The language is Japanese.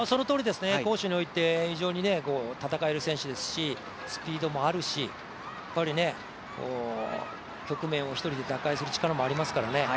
攻守において非常に戦える選手ですし、スピードもあるし、１人で打開する力もありますからね。